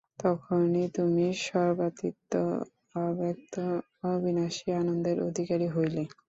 তখনই তুমি সর্বাতীত অব্যক্ত অবিনাশী আনন্দের অধিকারী হইলে।